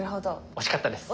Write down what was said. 惜しかったです。